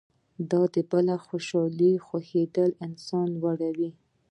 د بل د خوښۍ خوښیدل انسان لوړوي.